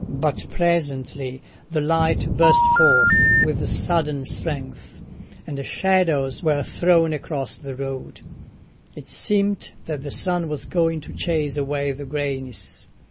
But presently the light burst forth with sudden strength, and shadows were thrown across the road. It seemed that the sun was going to chase away the greyness.